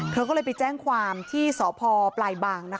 เธอก็เลยไปแจ้งความที่สพปลายบางนะคะ